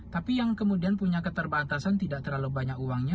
tapi yang kemudian punya keterbatasan tidak terlalu banyak uangnya